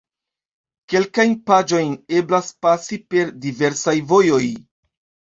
Kelkajn paĝojn eblas pasi per diversaj vojoj.